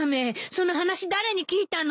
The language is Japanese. その話誰に聞いたの？